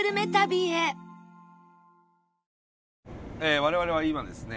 我々は今ですね